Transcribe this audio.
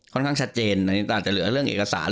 ค่อนข้างชัดเจนแต่อาจจะเหลือเรื่องเอกสาร